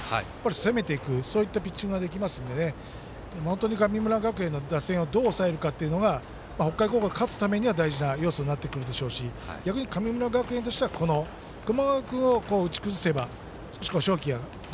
攻めていく、そういったピッチングができますので神村学園の打線をどう抑えるかというのが北海高校が勝つためには大事になってきますし逆に、神村学園としては熊谷君を打ち崩せば逆に勝機がある。